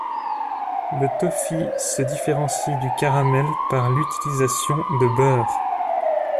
Le toffee se différencie du caramel par l'utilisation de beurre.